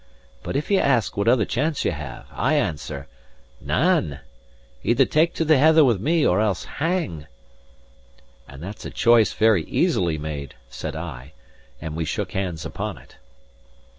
But if ye ask what other chance ye have, I answer: Nane. Either take to the heather with me, or else hang." "And that's a choice very easily made," said I; and we shook hands upon it.